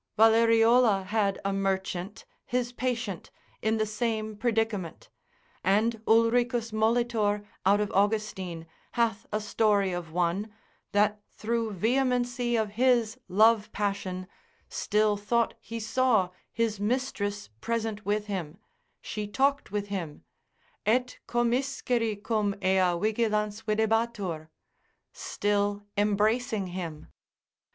Valleriola had a merchant, his patient, in the same predicament; and Ulricus Molitor, out of Austin, hath a story of one, that through vehemency of his love passion, still thought he saw his mistress present with him, she talked with him, Et commisceri cum ea vigilans videbatur, still embracing him.